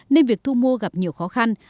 nên việc thu mua gặp nhiều khó khăn